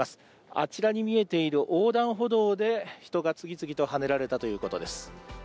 あちらに見えている横断歩道で人が次々とはねられたということです。